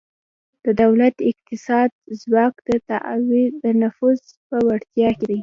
د دولت اقتصادي ځواک د نفوذ په وړتیا کې دی